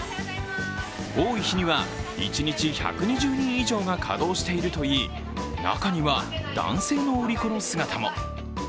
多い日には１日１２０人以上が稼働しているといい中には男性の売り子の姿も。